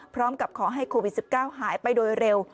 พร้อมกับขอให้โควิด๑๙หายไปโดยเร็ว